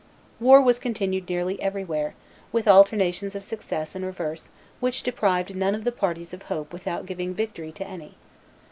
War was continued nearly everywhere, with alternations of success and reverse which deprived none of the parties of hope without giving victory to any.